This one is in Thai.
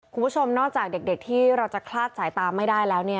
คุณผู้ชมนอกจากเด็กที่เราจะคลาดสายตาไม่ได้แล้ว